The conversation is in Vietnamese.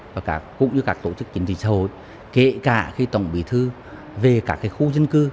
và cũng như các tổ chức chính trị xã hội kể cả khi tổng bí thư về các khu dân cư